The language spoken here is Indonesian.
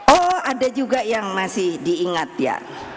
oh ada juga yang masih diingat ya